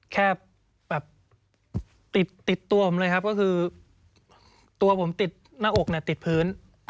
แค่แบบติดตัวผมเลยครับก็คือตัวผมติดหน้าอกเนี่ยติดพื้น